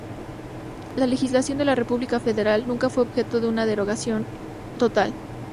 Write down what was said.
La legislación de la República Federal nunca fue objeto de una derogación total.